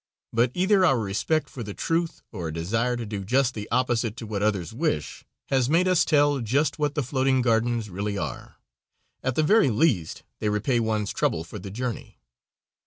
But either our respect for the truth or a desire to do just the opposite to what others wish, has made us tell just what the floating gardens really are. At the very least they repay one's trouble for the journey.